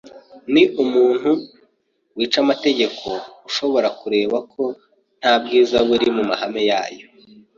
ni umuntu wica amategeko ushobora kureba ko nta bwiza buri mu mahame yayo.